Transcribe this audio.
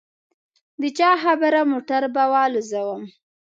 د چا خبره موټر به والوزووم.